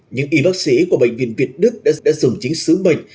những y bác sĩ của bệnh viện việt đức đã dùng chính sứ mệnh